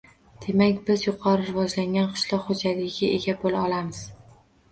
Demak, biz yuqori rivojlangan qishloq xo‘jaligiga ega bo‘la olamiz.